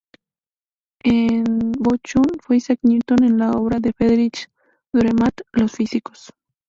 En Bochum fue Isaac Newton en la obra de Friedrich Dürrenmatt "Los físicos".